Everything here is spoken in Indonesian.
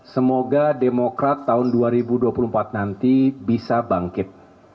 semoga demokrat tahun dua ribu dua puluh empat nanti bisa bangkit